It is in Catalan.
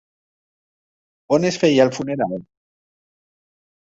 On es feia el funeral?